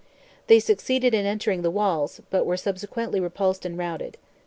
They succeeded in entering the walls, but were subsequently repulsed and routed.